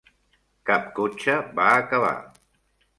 Cap cotxe va acabar.